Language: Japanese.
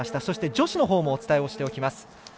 そして女子のほうもお伝えをしておきます。